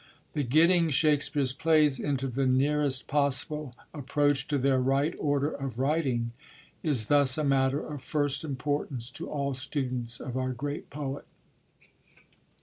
The getting Shakspere's plays into the nearest possible approach to their right order of writing, is thus a matter of first importance to all students of our great poet.